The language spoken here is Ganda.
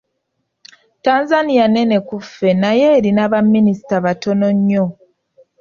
Tanzania nnene ku ffe naye erina baminisita batono nnyo.